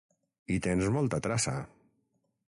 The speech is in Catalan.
Hi tens molta traça.